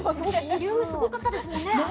ボリュームすごかったですもんね。